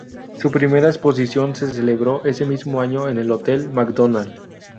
Su primera exposición se celebró ese mismo año, en el hotel Macdonald.